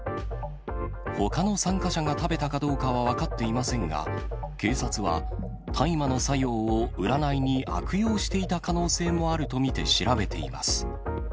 ほかの参加者が食べたかどうかは分かっていませんが、警察は大麻の作用を占いに悪用していた可能性もあると見て調べています。